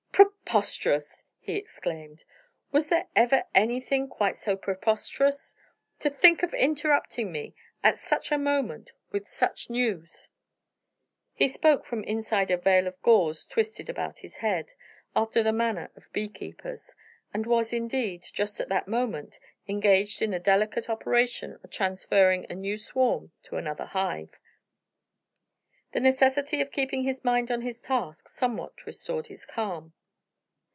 "Preposterous!" he exclaimed; "was there ever anything quite so preposterous! To think of interrupting me, at such a moment, with such news!" He spoke from inside a veil of gauze twisted about his head, after the manner of beekeepers; and was, indeed, just at that moment, engaged in the delicate operation of transferring a new swarm to another hive. The necessity of keeping his mind on his task somewhat restored his calm.